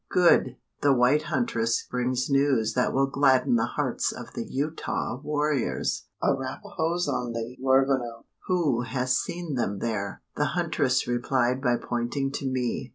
"Good; the white huntress brings news that will gladden the hearts of the Utah warriors! Arapahoes on the Huerfano! who has seen them there?" The huntress replied by pointing to me.